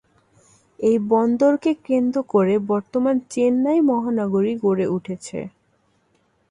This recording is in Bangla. এই বন্দরকে কেন্দ্র করে বর্তমান চেন্নাই মহানগরী গড়ে উঠেছে।